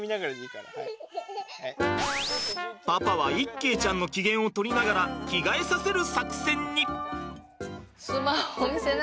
パパは一慶ちゃんの機嫌をとりながら着替えさせる作戦に！